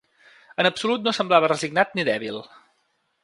En absolut no semblava resignat ni dèbil.